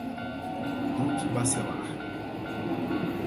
Duque Bacelar